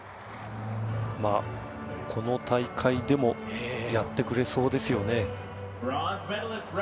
この大会でもやってくれそうですよね。